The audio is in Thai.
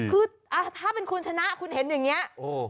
คือถ้าเป็นคุณชนะคุณเห็นอย่างนี้